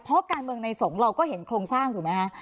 เพราะการเมืองในสงฆ์เราก็เห็นโครงสร้างถูกไหมคะ